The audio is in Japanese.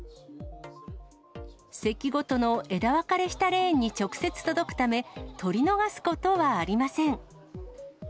席ごとの枝分かれしたレーンに直接届くため、取り逃すことはありません。